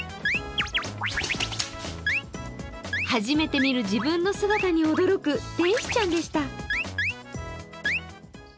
初めて見る自分の姿に驚く天使ちゃんでした。